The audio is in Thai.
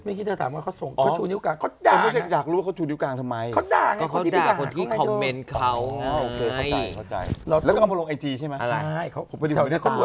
ไม่รู้มันแปลกนะมันโรคจิตมั้ง